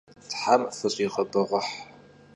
Them fış'iğebeğueh!